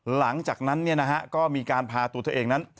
หลังจากนั้นก็มีการพาตัวเธอเองนั้น